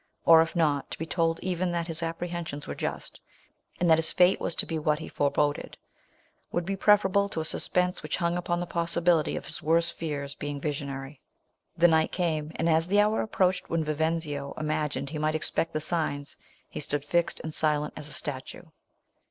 Or if not, to be told even that his ap prehensions were just, and that his fate was to be what he foreboded, would be preferable to a suspense which hung upon the possibility of his worst fears being visionary. The night came ; and as the hour approached when Vivenzio imagined he might expect the signs, he stood fixed and silent as a statue.